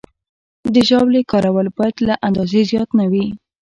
د ژاولې کارول باید له اندازې زیات نه وي.